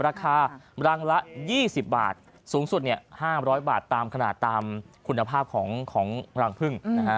ราคารังละ๒๐บาทสูงสุด๕๐๐บาทตามขนาดตามคุณภาพของรังพึ่งนะฮะ